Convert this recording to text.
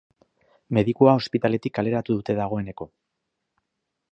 Medikua ospitaletik kaleratu dute dagoeneko.